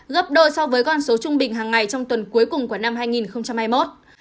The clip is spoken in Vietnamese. gấp đôi so với con số trung bình hàng ngày trong tuần cuối cùng của năm hai nghìn hai mươi một